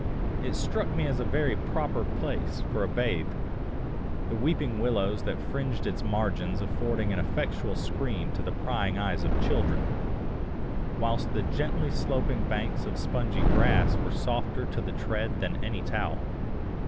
It struck me as a very proper place for a bathe, the weeping willows that fringed its margins affording an effectual screen to the prying eyes of children; whilst the gently sloping banks of spongy grass were softer to the tread than any towel.